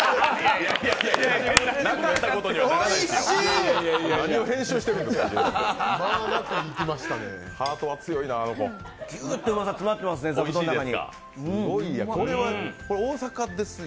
なかったことにはならないですよ。